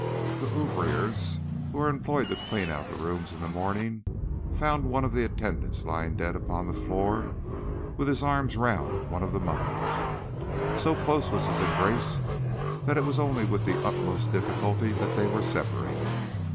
The ouvriers who are employed to clean out the rooms in the morning found one of the attendants lying dead upon the floor with his arms round one of the mummies. So close was his embrace that it was only with the utmost difficulty that they were separated.